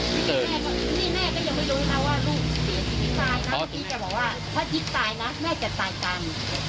นี่แม่ก็ยังไม่รู้ว่าลูกตายนะพี่จะบอกว่าถ้าจิ๊บตายนะแม่จะตายกัน